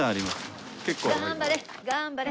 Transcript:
頑張れ！